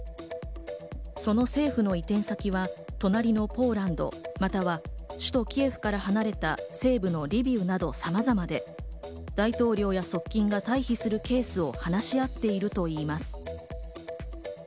その政府の移転先は隣のポーランド、または首都キエフから離れた西部のリビウなど、さまざまで、大統領や側近が退避するケースを話し合っているといいます。